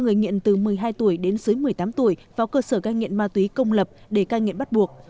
người nghiện từ một mươi hai tuổi đến dưới một mươi tám tuổi vào cơ sở cai nghiện ma túy công lập để cai nghiện bắt buộc